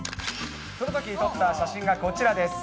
そのとき撮った写真がこちらです。